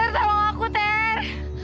teri ter tolong aku ter